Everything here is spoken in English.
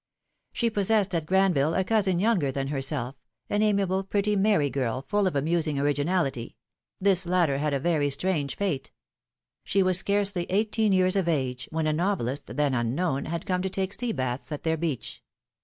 She possessed at Granville a cousin younger than herself, an amiable, pretty, merry girl, full of amusing originality; 40 philom^:ne's marriages. this latter had a very strange fate. She was scarcely eighteen years of age, when a novelist, then unknown, had come to take sea baths at their beach.